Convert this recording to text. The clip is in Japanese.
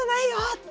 って。